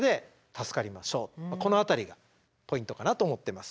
この辺りがポイントかなと思ってます。